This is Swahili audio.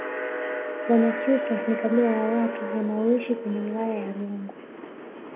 Wanyakyusa ni kabila la watu wanaoishi kwenye wilaya ya Rungwe